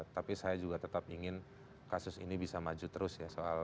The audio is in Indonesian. tapi saya juga tetap ingin kasus ini bisa maju terus ya